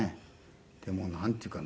でもなんていうかな。